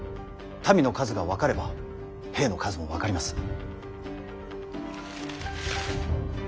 民の数が分かれば兵の数も分かります。